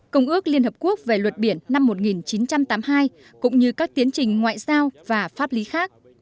công ước liên hợp quốc về luật biển năm một nghìn chín trăm tám mươi hai cũng như các tiến trình ngoại giao và pháp lý khác